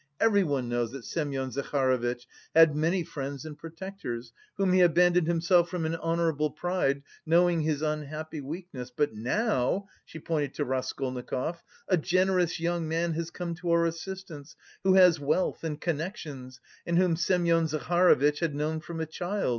Everyone knows that Semyon Zaharovitch had many friends and protectors, whom he abandoned himself from an honourable pride, knowing his unhappy weakness, but now (she pointed to Raskolnikov) a generous young man has come to our assistance, who has wealth and connections and whom Semyon Zaharovitch has known from a child.